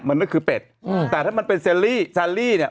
มันก็คือเป็ดแต่ถ้ามันเป็นซัลลี่เนี่ย